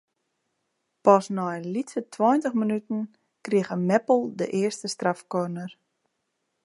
Pas nei in lytse tweintich minuten krige Meppel de earste strafkorner.